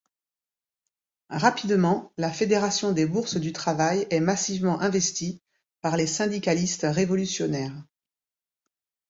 Rapidement, la Fédération des Bourses du travail est massivement investie par les syndicalistes révolutionnaires.